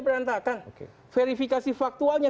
berantakan verifikasi faktualnya